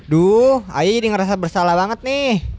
duh ayah ini ngerasa bersalah banget nih